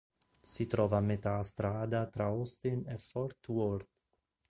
Si trova a metà strada tra Austin e Fort Worth.